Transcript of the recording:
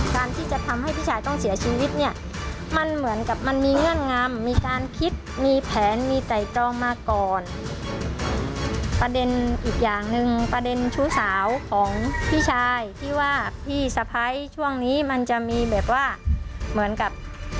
การที่จะทำให้พี่ชายต้องเสียชีวิตเนี่ยมันเหมือนกับมันมีเงื่อนงำมีการคิดมีแผนมีไต่ตรองมาก่อนประเด็นอีกอย่างหนึ่งประเด็นชู้สาวของพี่ชายที่ว่าพี่สะพ้ายช่วงนี้มันจะมีแบบว่าเหมือนกับ